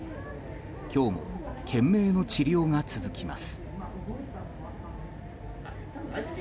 今日も懸命の治療が続きます。